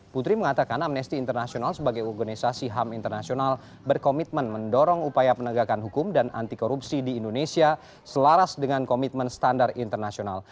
putri mengatakan amnesty international sebagai organisasi ham internasional berkomitmen mendorong upaya penegakan hukum dan anti korupsi di indonesia selaras dengan komitmen standar internasional